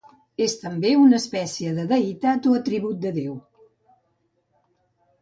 És també una espècie de deïtat o atribut de Déu.